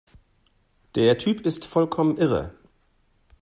Der Typ ist vollkommen irre!